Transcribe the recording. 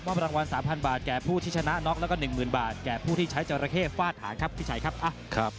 รางวัล๓๐๐บาทแก่ผู้ที่ชนะน็อกแล้วก็๑๐๐๐บาทแก่ผู้ที่ใช้จราเข้ฟาดหางครับพี่ชัยครับ